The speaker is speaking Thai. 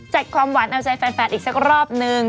ความหวานเอาใจแฟนอีกสักรอบนึง